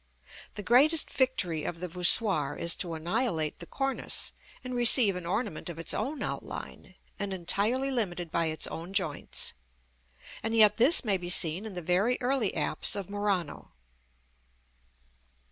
The greatest victory of the voussoir is to annihilate the cornice, and receive an ornament of its own outline, and entirely limited by its own joints: and yet this may be seen in the very early apse of Murano.